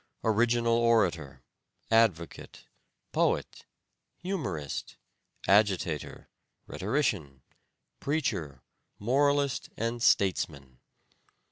Original orator, advocate, poet, humorist, agitator, rhetorician, preacher, moralist and statesman.